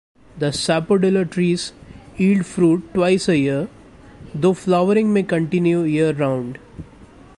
The sapodilla trees yield fruit twice a year, though flowering may continue year round.